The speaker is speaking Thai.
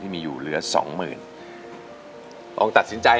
ทั้งในเรื่องของการทำงานเคยทำนานแล้วเกิดปัญหาน้อย